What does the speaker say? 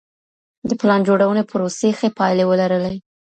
د پلان جوړوني پروسې ښې پایلې ولرلې.